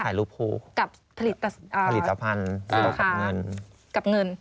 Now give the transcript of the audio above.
ถ่ายรูปค่ะกับผลิตภัณฑ์กับเงิน